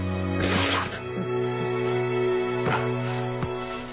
大丈夫。